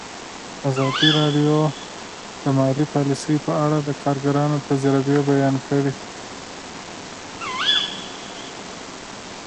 ازادي راډیو د مالي پالیسي په اړه د کارګرانو تجربې بیان کړي.